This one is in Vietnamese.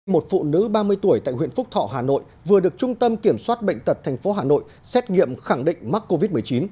một phụ nữ ba mươi tuổi tại huyện phúc thọ hà nội vừa được trung tâm kiểm soát bệnh tật tp hà nội xét nghiệm khẳng định mắc covid một mươi chín